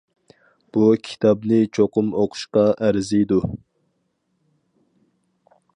بۇ كىتابنى چوقۇم ئوقۇشقا ئەرزىيدۇ.